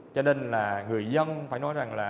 cho nên là người dân phải nói rằng là